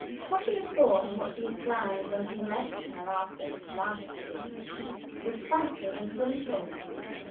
What she had thought, and what she had planned, when he left her after his last visit, was frankly and fully told.